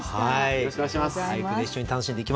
よろしくお願いします。